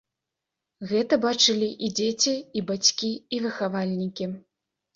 Гэта бачылі і дзеці, і бацькі, і выхавальнікі.